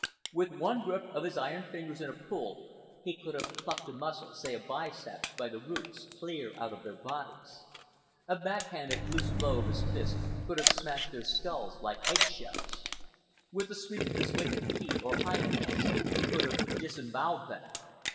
With one grip of his iron fingers and a pull, he could have plucked a muscle, say a biceps, by the roots, clear out of their bodies. A back handed, loose blow of his fist could have smashed their skulls like egg shells. With a sweep of his wicked feet (or hind hands) he could have disembowelled them.